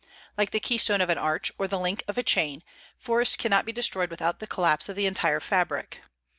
Like the keystone of an arch, or the link of a chain, forests cannot be destroyed without the collapse of the entire fabric.